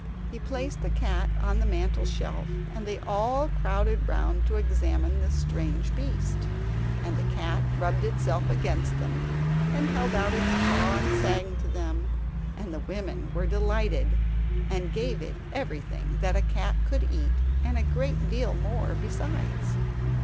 He placed the cat on the mantel shelf, and they all crowded round to examine this strange beast, and the cat rubbed itself against them, and held out its paw, and sang to them; and the women were delighted, and gave it everything that a cat could eat, and a great deal more besides.